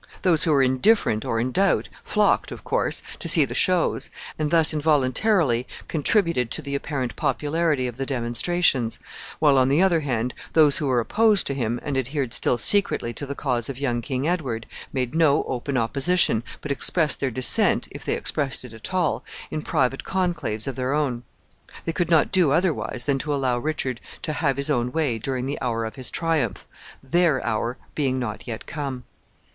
Those who were indifferent or in doubt, flocked, of course, to see the shows, and thus involuntarily contributed to the apparent popularity of the demonstrations; while, on the other hand, those who were opposed to him, and adhered still secretly to the cause of young King Edward, made no open opposition, but expressed their dissent, if they expressed it at all, in private conclaves of their own. They could not do otherwise than to allow Richard to have his own way during the hour of his triumph, their hour being not yet come.